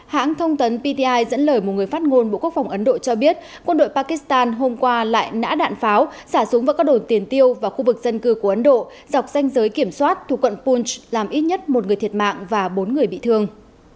hãng thông tấn pti dẫn lời một người phát ngôn bộ quốc phòng ấn độ cho biết quân đội pakistan hôm qua lại nã đạn pháo xả súng vào các đồn tiền tiêu và khu vực dân cư của ấn độ dọc danh giới kiểm soát thuộc quận poolt làm ít nhất một người thiệt mạng và bốn người bị thương